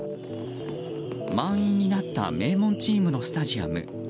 満員になった名門チームのスタジアム。